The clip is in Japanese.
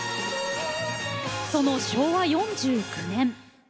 その昭和４９年。